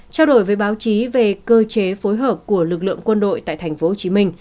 trao đổi với báo chí về cơ chế phối hợp của lực lượng quân đội tại tp hcm